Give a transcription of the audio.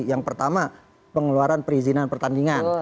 yang pertama pengeluaran perizinan pertandingan